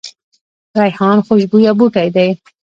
ریحان خوشبویه بوټی دی